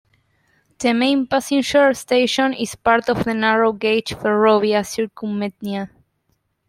The main passenger station is part of the narrow gauge Ferrovia Circumetnea.